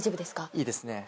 いいですね